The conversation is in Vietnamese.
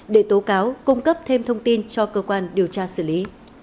để tố cáo cung cấp thêm thông tin cho cơ quan điều tra xử lý